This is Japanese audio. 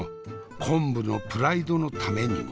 昆布のプライドのためにも。